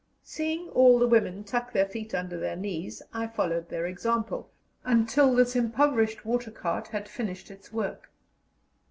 Seeing all the women tuck their feet under their knees, I followed their example, until this improvised water cart had finished its work.